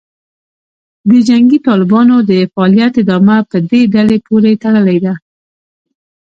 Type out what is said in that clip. د جنګي طالبانو د فعالیت ادامه په دې ډلې پورې تړلې ده